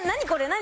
何？